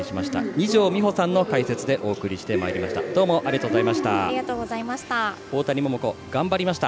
二條実穂さんの解説でお送りしてまいりました。